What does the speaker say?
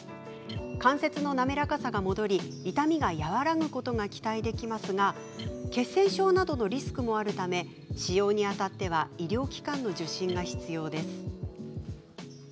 関節の滑らかさが戻り痛みが和らぐことが期待できますが血栓症などのリスクもあるため使用にあたっては医療機関の受診が必要です。